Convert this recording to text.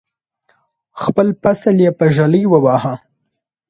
خپل فصل یې په ږلۍ وواهه.